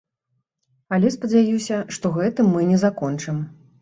Але спадзяюся, што гэтым мы не закончым.